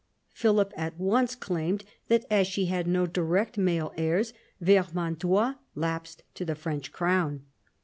Philip at once claimed that, as she had no direct male heirs, Vermandois lapsed to the French crown.